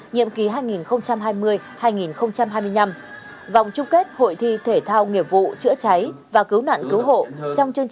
nhiệm kỳ hai nghìn hai mươi hai nghìn hai mươi năm vòng chung kết hội thi thể thao nghiệp vụ chữa cháy và cứu nạn cứu hộ